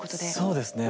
そうですね